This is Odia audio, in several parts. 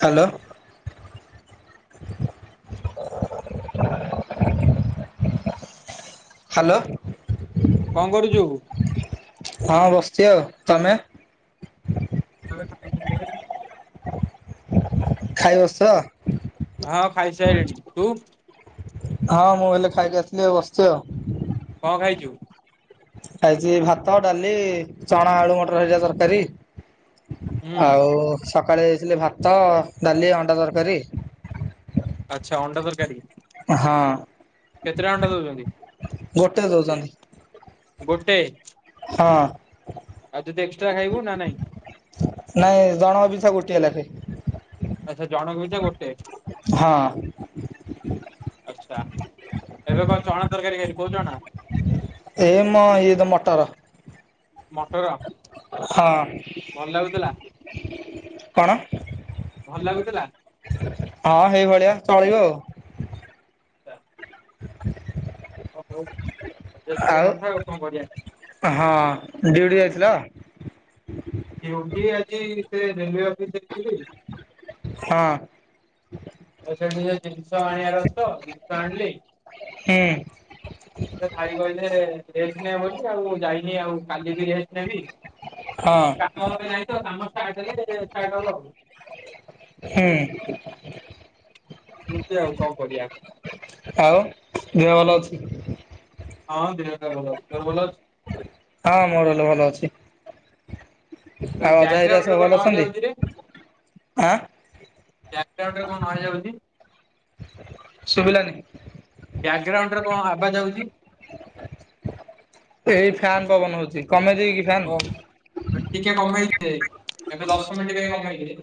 ହ୍ୟାଲୋ। ହାଲୋ। ଉଁ କଁ କରୁଚୁ? ହଁ ବସଛି ଆଉ ତମେ? [unintelligible] ଖାଇ ବସିଚ? ହଁ ଖାଇସାଇଲିଣି ତୁ? ହଁ ମୁଁ ହେଲେ ଖାଇକି ଆସିଲି ବସିଚି ଆଉ। କଁ ଖାଇଚୁ? ଖାଇଚି ଭାତ ଡାଲି ଚଣା ଆଳୁ ମଟର ଭଜା ତରକାରୀ। ହୁଁ ଆଉ ସକାଳେ ଏଇଥିଲେ ଭାତ ଡାଲି ଅଣ୍ଡା ତରକାରୀ। ଆଚ୍ଛା ଅଣ୍ଡା ତରକାରୀ। ହଁ କେତେଟା ଅଣ୍ଡା ଦଉଛନ୍ତି? ଗୋଟେ ଦଉଚନ୍ତି। ଗୋଟେ। ହଁ। ଆଉ ଯଦି ଏକ୍ସଟ୍ରା ଖାଇବୁ ନା ନାହିଁ। ନାଇଁ ଜଣଙ୍କ ପିଛା ଗୋଟିଏ ଲାଖେ। ଆଚ୍ଛା ଜଣଙ୍କ ପିଛା ଗୋଟେ। ହଁ। ଆଛା ଏବେ କଁ ଚଣା ତରକାରୀ ଖାଲି ଖୋଉଚ ନା। ହେ ମ ଇଏ ତ ମଟର। ମଟର। ହଁ ଭଲ ଲାଗୁଥିଲା କଣ? ଭଲ ଲାଗୁଥିଲା? ହଁ ହେଇ ଭଳିଆ ଚଳିବ ଆଉ। ତା ହ ହଉ ଆଡଜେଷ୍ଟ କରିବା କଥା ଆଉ କଁ କରିଆ। ହଁ ଡିଉଟି ଯାଇଥିଲ। ଡିଉଟି ଆଜି ସେ ରେଲୱେ ଅଫିସିରେ ଥିଲି। ହଁ। ଆଉ ସେଉଠୁ ଯୋଉ ଜିନିଷ ଆଣିବାର ଅଛି ତ ଜିନିଷ ଆଣିଲି। ହୁଁ ସେ ଭାଇ କହିଲେ ରେଷ୍ଟ ନେ ବୋଲି ଆଉ ଯାଇନି ଆଉ କାଲି ବି ରେଷ୍ଟ ନେବି। ହଁ କାମ ଏବେ ନାହିଁ ତ କାମ ଷ୍ଟାର୍ଟ ହେଲେ [unintelligible] ହୁଁ। [unintelligible] ଆଉ କଣ କରିଆ? ଆଉ ଦିହ ଭଲ ଅଛି? ହଁ ଦିହ ତ ଭଲ ଅଛି। ତୋର ଭଲ ଅଛି? ହଁ ମୋର ହେଲେ ଭଲ ଅଛି। ଅଁ ଆଉ ଅଜା ହେରିକା ସବୁ ବ୍ୟାଗ୍ରାଉଣ୍ଡରେ ଭଲ କଣ ନ ଅଛନ୍ତି? ଯାଉଚିରେ ଆଁ ବ୍ୟାଗ୍ରାଉଣ୍ଡ୍ ରେ କଣ ନଏଜ୍ ଆଉଚି? ଶୁଭିଲାନି ବ୍ୟାଗ୍ରାଉଣ୍ଡରେ କଣ ଆବାଜ୍ ଆଉଚି? ଏଇ ଫ୍ୟାନ୍ ପବନ ହଉଚି କମେଇ ଦେବିକି? ଓଃ ଟିକେ କମେଇଦେ। ଏବେ ଦଶ ମିନଟି ପାଇଁ କମେଇଦେ।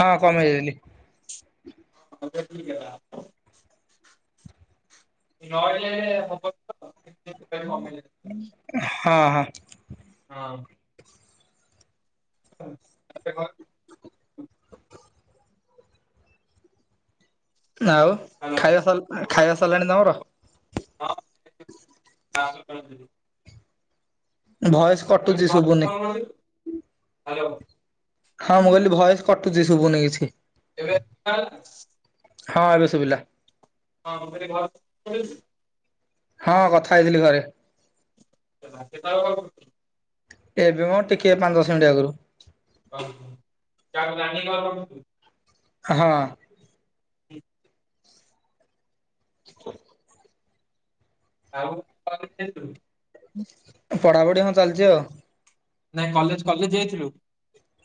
ହଁ କମେଇଦେଲି। ଏବେ ଠିକ୍ ହେଲା। ନହେଲେ ହବନି ବା। ସେଥିପାଇଁ କମେଇ ଦେଲି। ହଁ ହଁ। ହଁ। ଉଁ ଆ ଦେଖ ନା ବା ହ୍ୟାଲୋ ଖାଇବା ସଲ୍ ଖାଇବା ସରଲାଣି ତମର? ହଁ କାଲି ସକାଳ କୁ ଯିବି। ଭଏସ୍ ମୁଁ ଏଇଠି [unintelligible] ହ୍ୟାଲୋ ହଁ ମୁଁ କହିଲି ଭଏସ୍ କଟୁଚି ଶୁଭୁନି କିଛି [unintelligible] ହଁ ଏବେ ଶୁଭିଲା। ହଁ ଗୋଟେ [unintelligible] ହଁ କଥା ହେଇଥିଲି ଘରେ। [unintelligible] ମତେ ତ କଲ୍ କଲୁ। ଏବେ ମ ଟିକେ ପାଞ୍ଚ୍ ଦଶ ମିନିଟ୍ ଆଗରୁ। [unintelligible] ହଁ। ଉଁ [inaudible] ଆଉ [unintelligible] ପଢ଼ାପଢ଼ି ହଁ ଚାଲିଚି ଆଉ। ନାଇଁ କଲେଜ କାଲି ଯାଇଥିଲୁ?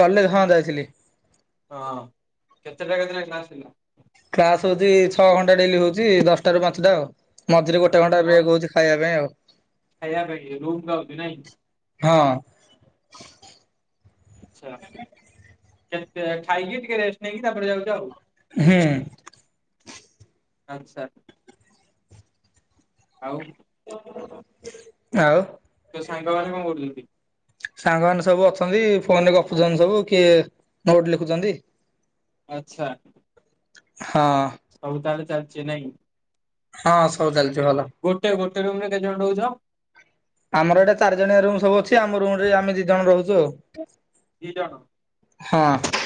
କଲେଜ ହଁ ଯାଇଥିଲି। ହଁ କେତେଟା କେତେନେଖା କ୍ଲାସ୍ ହେଲା? କ୍ଲାସ ହଉଚି ଛଅ ଘଣ୍ଟା ଡ଼େଲି ହଉଚି ଦଶଟା ରୁ ପାଞ୍ଚଟା ଆଉ। ମଝିରେ ଗୋଟେ ଘଣ୍ଟା ବ୍ରେକ୍ ହଉଚି ଖାଇବା ପାଇଁ ଆଉ। ଖାଇାବା ପାଇଁକି ରୁମ୍ କୁ ଆଉଚୁ ନାଇଁ। ହଁ। ଆଛା କେତେ ଆ ଖାଇକି ଟିକେ ରେଷ୍ଟ୍ ନେଇକି ତାପରେ ଯାଉଚୁ ଆଉ। ହୁଁ। ଆଚ୍ଛା। ଆଉ ନା ଆଉ ତ ସାଙ୍ଗମାନେ କଣ କରୁଛନ୍ତି? ସାଙ୍ଗମାନେ ସବୁ ଅଛନ୍ତି ଫୋନ ରେ ଗପୁଛନ୍ତି ସବୁ କିଏ ନୋଟ ଲେଖୁଛନ୍ତି। ଆଚ୍ଛା। ହଁ। ସବୁ ତାହେଲେ ଚାଲିଚି ନାଇଁ? ହଁ ସବୁ ଚାଲିଛି ଭଲ। ଗୋଟେ ଗୋଟେ ରୁମରେ କେତେ ଜଣ ରହୁଛ? ଆମର ଏଇଟା ଚାରି ଜଣିଆ ରୁମ ସବୁ ଅଛି ଆମ ରୁମ ରେ ଆମେ ଦି ଜଣ ରହୁଛୁ ଆଉ। ଦି ଜଣ। ହଁ।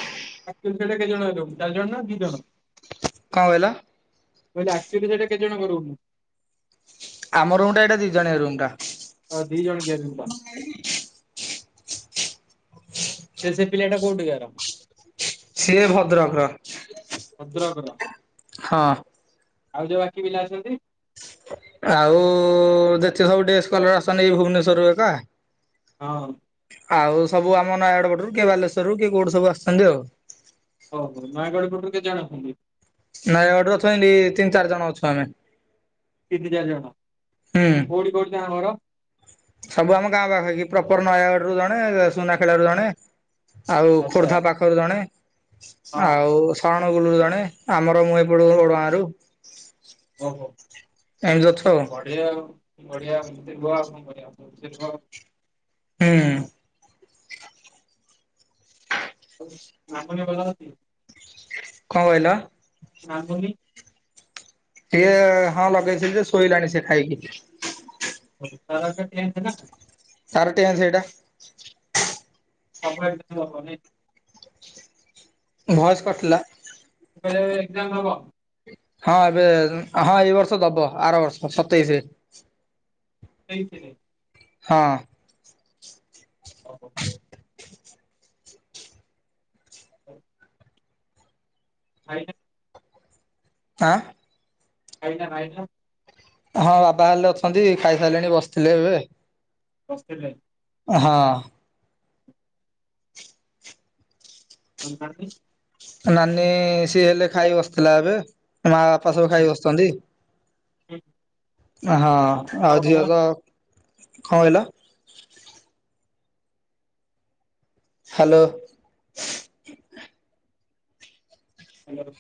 ଆଉ ସେମିତି ହେଲେ କେତ ଜଣ ରହୁଛ ଚାରି ଜଣ ନା ଦି ଜଣ? କଣ କହିଲ? କହିଲି ଏକ୍ଟୁଆଲୀ ସେଇଟା କେତେ ଜଣଙ୍କ ରୁମ୍? ଆମ ରୁମ୍ ଟା ଏଇଟା ଦି ଜଣିଆ ରୁମ୍ ଟା। ଓ ଦିଇ ଜଣିକିଆ ରୁମ୍ ଟା। ସେ ସେଇ ପିଲାଟା କଉଠି କାର? ସିଏ ଭଦ୍ରକ ର। ଭଦ୍ରକର। ହଁ। ଆଉ ଯୋଉ ବାକି ପିଲା ଅଛନ୍ତି? ଆଉ ଯେତିକ ସବୁ ଡେସ୍ କଲର ଆସିନି ଭୁବନେଶ୍ଵରରୁୁ ଏକା। ହଁ। ଆଉ ସବୁ ଆମ ନୟାଗଡଗଡରୁ କିଏ ବାଲେଶ୍ୱର ରୁ କିଏ କୋଉଠି ସବୁ ଆସଛନ୍ତି ଆଉ। ଓ ହୋ ନୟାଗଡ଼ ପଟରୁ କେତେ ଜଣ ଅଛନ୍ତି? ନୟାଗଡ଼ ରୁ ଅଛୁ ଏମିତି ତିନି ଚାରି ଜଣ ଅଛୁ ଆମେ। ତିନି ଚାରି ଜଣ ହୁଁ। କୋଉଠି କୋଉଠି ତାଙ୍କ ଘର? ସବୁ ଆମ ଗାଁ ପାଖରେ କି ପ୍ରପର ନୟାଗଡ ରୁ ଜଣେ ଯ ସୁନାଖେଳା ରୁ ଜଣେ। ଆଉ ଆଚ୍ଛା। ଖୋର୍ଦ୍ଧା ପାଖରୁ ଜଣେ ହଁ ଆଉ ସି ବାଣ ପୁରୁ ଜଣେ ଆମର ମୁଁ ଏପଟ ଓଡ଼ଗାଁ ରୁ। ଏମିତି ଅଛୁ ଆଉ। ସେଇଆ ଆଉ ବଢିଆ ମୋତେ କୁହ ଆଉ କଣ କରିବା ଭଲସେ କୁହ? ହୁଁ। ଆଉ ମାମୁନୀ ଭଲ ଅଛି? କଣ କହିଲ? ମାମୁନୀ? ସିଏ ହଁ ଲଗେଇଥିଲି ଯେ ଶୋଇଲାଣି ସେ ଖାଇକି। [unintelligible] ସାର ଟେନ୍ ସେଇଟା। [unintelligible] ଭଏସ କଟିଲା। ମୁଁ କହିଲି ଏଜ୍ଜାମ ହବ। ହଁ ଏବେ ହଁ ଏଇ ବର୍ଷ ଦବ ଆର ବର୍ଷ ସତେଇଶି ରେ। ଏଇ ଥିରେ। ହଁ। ଅ ହୋ। ହଉ [inaudible] [unintelligible] ହାଁ ଏଇଟା ଖାଇଚୁ ହଁ ବାବା ହେଲେ ଅଛନ୍ତି ଖାଇସାରିଲେଣି ବସିଥିଲେ ଏବେ ବସିଥିଲେ ହଁ [unintelligible] ନାନୀ ସିଏ ହେଲେ ଖାଇ ବସିଥିଲା ଏବେ ମା ବାପା ସବୁ ଅଛି? ଖାଇ ବସିଛନ୍ତି ହଁ ଆଉ ଝିଅ ତ କଣ କହିଲ ହ୍ୟାଲୋ ହ୍ୟାଲୋ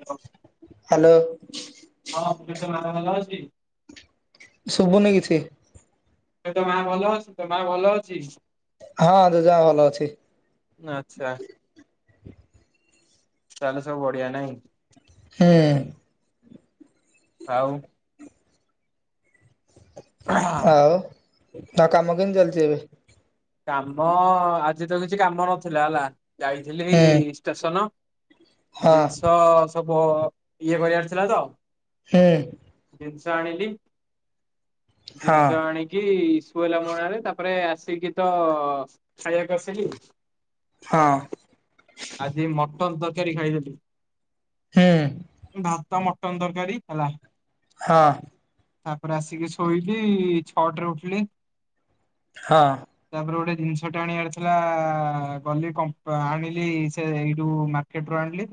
ହ୍ୟାଲୋ ହ୍ୟାଲୋ ହଁ ମୁଁ [unintelligible] ଶୁଭୁନି କିଛି ଏ ତୋ ମା ଭଲ ଅଛି ତୋ ମା ଭଲ ଅଛି? ହଁ ଜେଜେମା ଭଲ ଅଛି। ଆଛା ତାହେଲେ ସବୁ ବଢିଆ ନାଇଁ। ହୁଁ ଆଉ ଆଉ ତା କାମ କେମିତି ଚାଲିଛି ଏବେ କାମ ଆଜି ତ କିଛି କାମ ନଥିଲା ହେଲା ଯାଇଥିଲି ହୁଁ ଷ୍ଟେସନ। ହଁ ଜିନିଷ ସବୁ ଇଏ କରିବାର ଥିଲା ତ ହୁଁ ଜିନିଷ ଆଣିଲି ହଁ ଜିନିଷ ଆଣିକି କୁହଲା [unintelligible] ରେ ତାପରେ ଆସିକି ତ ଖାଇବାକୁ ଆସିଲି ହଁ ଆଜି ମଟନ ତରକାରୀ ଖାଇେଦଲି। ହୁଁ ଭାତ ମଟନ ତରକାରୀ ହେଲା। ହଁ ତାପରେ ଆସିକି ଶୋଇକି ଛଅଟାରେ ଉଠିଲି। ହଁ ତାପରେ ଗୋଟେ ଜିନିଷ ଟା ଆଣିବାର ଥିଲା ଗଲି କମ୍ପୁ ଆଣିଲି। ସେ ଏଇଠୁ ମାର୍କେଟ ରୁ ଆଣିଲି।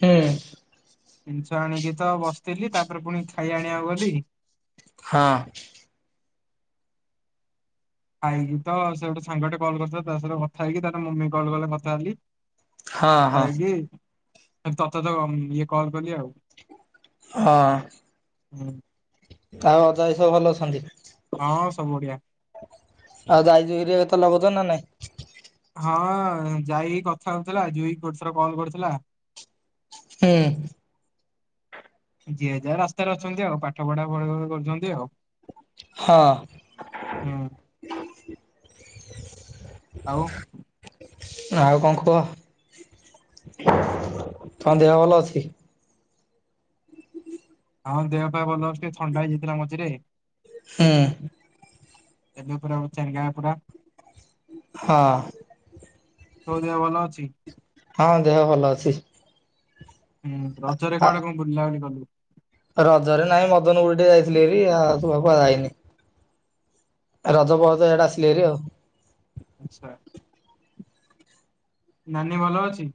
ହୁଁ ଜିନିଷ ଆଣିକି ତ ବସିଥିଲି ତାପରେ ପୁଣି ଖାଇବା ଆଣିବାକୁ ଗଲି। ହଁ ଆାଇକି ତ ସେ ଗୋଟେ ସାଙ୍ଗେ ଟେ କଲ୍ କରିଥିଲା ତା ସହିତ କଥା ହେଇକି ତାର ମମି କଲ୍ କଲେ କଥା ହେଲି। ହଁ ହଁ କଥା ହେଇକି ତତେ ତ ଇଏ କଲ କଲି ଆଉ। ହଁ ହୁଁ ତାଉ ଅଜା ଆଇ ସବୁ ଭଲ ଅଛନ୍ତି। ହଁ ସବୁ ବଢିଆ। ଆଉ [unintelligible] ନା ନାଇଁ? ହଁ ଯାଇକି କଥା ହଉଥିଲା ଜୁଇ ଗୋଟେ ଥର କଲ୍ କରିଥିଲା। ହୁଁ। ଯିଏ ଯା ରାସ୍ତାରେ ଅଛନ୍ତି ଆଉ ପାଠ ପଢା [unintelligible] କରୁଚନ୍ତି ଆଉ। ହଁ ହଁ- ଆଉ। ଆଉ କଣ କୁହ ତମ ଦେହ ଭଲ ଅଛି? ହଁ ଦେହ ପା ଭଲ ଅଛି ଟିକେ ଥଣ୍ଡା ହେଇଯାଇଥିଲା ମଝିରେ ହୁଁ। ଏବେ ପୁରା ଅ-ଚାଙ୍ଗା ପୁରା। ହଁ। ତମ ଦେହ ଭଲ ଅଛି? ହଁ ଦେହ ଭଲ ଅଛି। ହୁଁ ରଜରେ ଆ କୁଆଡେ କଣ ବୁଲା ବୁଲି କଲୁ? ରଜରେ ନାଇଁ ମଦନ [unintelligible] ଟିକେ ଯାଇଥିଲି ଭାରି [unintelligible] ଯାଇନି। ରଜ ପରେ ଇଆଡେ ଆସିଲି ଭାରି ଆଉ। ଆଚ୍ଛା। ନାନୀ ଭଲ ଅଛି?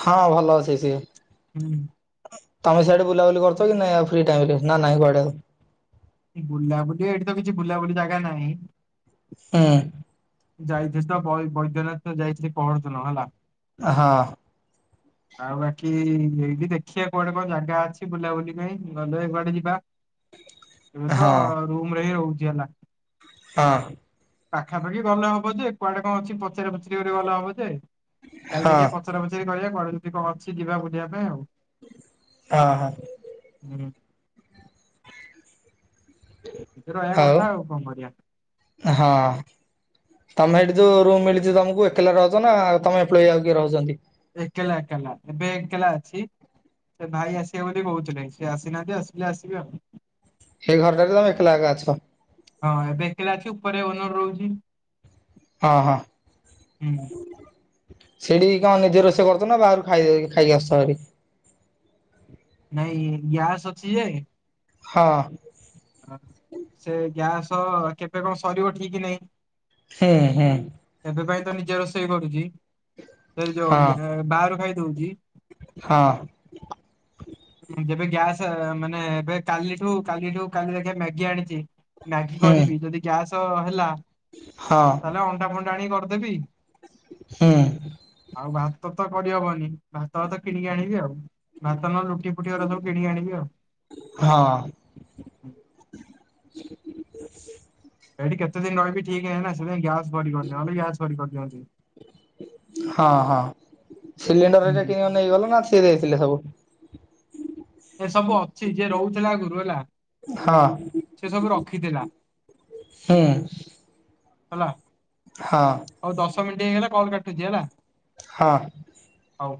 ହଁ ଭଲ ଅଛି ସିଏ। [inaudible] ତମେ ସିଆଡେ ବୁଲାବୁଲି କରୁଚ କି ନାଇ ଆଉ ଫ୍ରି ଟାଇମ୍ ରେ ନା ନାଇଁ କୁଆଡେ? ବୁଲାବୁଲି ଏଇଠି ତ କିଛି ବୁଲାବୁଲି ଜାଗା ନାହିଁ। ହୁଁ। ଯାଇଥିଲି ତ ବୈ-ବୈଦ୍ୟନାଥ ଯାଇଥିଲି ପର୍ ଦିନ ହେଲା। ହଁ। ଆଉ ବାକି ଏଇଠି ଦେଖିବା କୁଆଡେ କଣ ଜାଗା ଅଛି ବୁଲାବୁଲି ପାଇଁ ଗଲେ କୁଆଡେ ଯିବା। ଏବେ ତ ହଁ ରୁମ ରେ ହିଁ ରହୁଚି ହେଲା। ହଁ। ପାଖାପାଖି ଗଲେ ହବ ଯେ କୁଆଡେ କଣ ଅଛି ପଚାର ପଚାରି କରି ଗଲେ ହବ ଯେ କାଲି ହଁ ଦେଖିବା ପଚରା ପଚାରି କରିବା କୁଆଡେ ଯଦି କଣ ଅଛି ଯିବା ବୁଲିବା ପାଇଁ ଆଉ। ଅ- ହ। [inaudible] ନିଜେ ରହିବା କଥା ଆଉ କଣ କରିବା। ହଁ। ତମେ ଏଇଠି ଯଉ ରୁମ୍ ମିଳିଚି ତମକୁ ଏକଲା ରହୁଚ ନା ତମେ ଏମ୍ପ୍ଲୋଇ ଆଉ କିଏ ରହୁଚନ୍ତି? ଏକେଲା ଏକେଲା ଏବେ ଏକେଲା ଅଛି ସେ ଭାଇ ଆସିବେ ବୋଲି କହୁଥିଲେ ସେ ଆସିନାହାନ୍ତି ଆସିଲେ ଆସିବେ ଆଉ। ସେଇ ଘରଟାରେ ତମେ ଏକଲା ଏକା ଅଛ? ହଁ ଏବେ ଏକେଲା ଅଛି ଉପରେ ଓନର୍ ରହୁଚି। ହଁ ହଁ। ହୁଁ ସେଠି କଣ ନିଜେ ରୋଷେଇ କରୁଚ ନା ବାହାରୁ ଖାଇ- ଖାଇକି ଆସୁଚ ହେରି? ନାଇଁ ଗ୍ୟାସ ଅଛି ଯେ ହଁ। ହଁ ସେ ଗ୍ୟାସ କେବେ କଣ ସରିବ ଠିକ୍ ନାହିଁ। ହେଁ ହେଁ। ଏବେ ପାଇଁ ତ ନିଜେ ରୋଷେଇ କରୁଛି ସେ ଯୋଉ ହଁ ବାହାରୁ ଖାଇଦଉଛି। ହଁ। ଯେବେ ଗ୍ୟାସ୍ ମାନେ ଏବେ କାଲିଠୁ କାଲିଠୁ କାଲି ଦେଖିଆ ମ୍ୟାଗି ଆଣିଛି। ମ୍ୟାଗି ହୁଁ କରିବି ଯଦି ଗ୍ୟାସ ହେଲା ହଁ ତାହେଲେ ଅଣ୍ଡା ଫଣ୍ଡା ଆଣି କରିଦେବି। ହୁ। ଆଉ ଭାତ ତ କରିହବନି ଭାତ ତ କିଣିକି ଆଣିବି ଆଉ ଭାତ ନ ରୋଟି ପୁଟି ଗୁରା କିଣି ଆଣିବି ଆଉ। ହଁ। ଏଠି କେତେ ଦିନ ରହିବି ଠିକ ନାହିଁ ନା ସେଥି ପାଇଁ ଗ୍ୟାସ୍ ଭରି ପାରୁନି ନ ହେଲେ ଗ୍ୟାସ୍ ଭରି କରିଦିଅନ୍ତି। ହଁ ହଁ ସିଲିଣ୍ଡର ହେରା ହୁଁ। କି ନେଇଗଲ ନା ସିଏ ହେଇଥିଲେ ସବୁ? ଏ ସବୁ ଅଛି ଯିଏ ରହୁଥିଲା ଆଗରୁ ହେଲା। ସେ ସବୁ ରଖିଥିଲା ହଁ ହୁ। ହେଲା। ହଁ। ହଉ ଦଶ ମିନିଟ୍ ହେଇଗଲା କଲ୍ କାଟୁଛି ହେଲା? ହଁ। ହଉ।